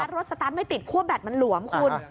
รถสตั๊ดไม่ติดขัวแบตมันหลวงคุณ